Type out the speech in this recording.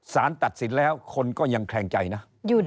สารตัดสินแล้วคนก็ยังแคลงใจนะ